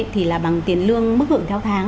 thì là bằng tiền lương mức hưởng theo tháng